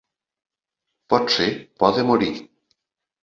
Potser por de morir.